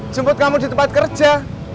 jemput kamu di tempat kerja